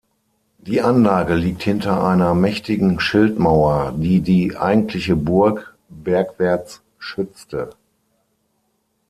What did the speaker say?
Die Anlage liegt hinter einer mächtigen Schildmauer, die die eigentliche Burg bergwärts schützte.